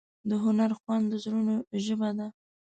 د هنر خوند د زړونو ژبه ده.